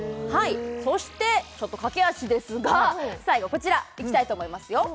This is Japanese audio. そしてちょっと駆け足ですが最後こちらいきたいと思いますよ